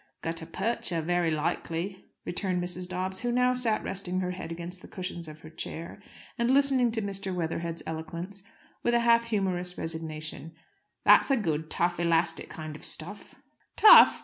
"Gutta percha, very likely," returned Mrs. Dobbs, who now sat resting her head against the cushions of her chair, and listening to Mr. Weatherhead's eloquence with a half humorous resignation; "that's a good, tough, elastic kind of stuff." "Tough!